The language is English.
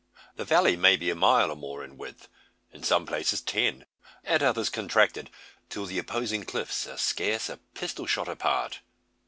The valley may be a mile or more in width, in some places ten, at others contracted, till the opposing cliffs are scarce a pistol shot apart.